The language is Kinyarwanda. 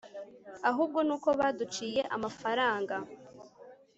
ahubwo nuko baduciye amafaranga